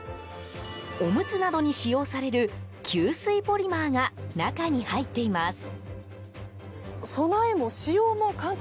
おむつなどに使用される吸水ポリマーが中に入っています。